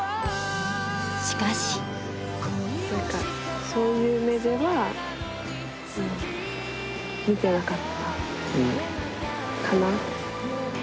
しかし何かそういう目ではうん見てなかったかな